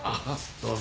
どうぞ。